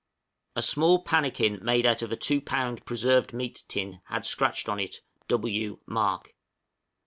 A small pannikin made out of a two pound preserved meat tin had scratched on it "W. Mark."